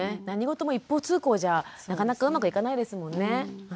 何事も一方通行じゃなかなかうまくいかないですもんね。